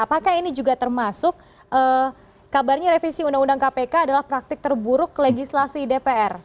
apakah ini juga termasuk kabarnya revisi undang undang kpk adalah praktik terburuk legislasi dpr